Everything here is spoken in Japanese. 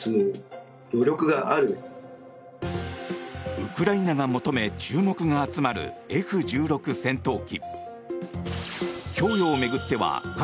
ウクライナが求め注目が集まるＦ１６戦闘機。